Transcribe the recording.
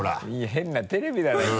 変なテレビだな。